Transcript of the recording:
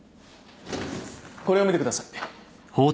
これを見てください。